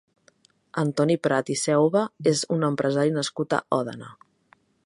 Antoni Prat i Seuba és un empresari nascut a Òdena.